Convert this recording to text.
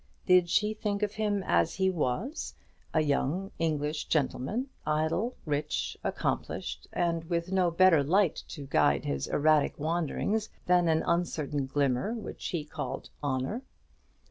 Did she think of him as what he was, a young English gentleman, idle, rich, accomplished, and with no better light to guide his erratic wanderings than an uncertain glimmer which he called honour?